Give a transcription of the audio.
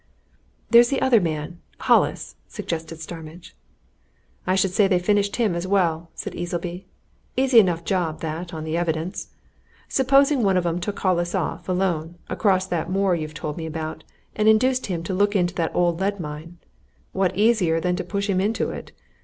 "There's the other man Hollis," suggested Starmidge. "I should say they finished him as well," said Easleby. "Easy enough job, that, on the evidence. Supposing one of 'em took Hollis off, alone, across that moor you've told me about, and induced him to look into that old lead mine? What easier than to push him into it?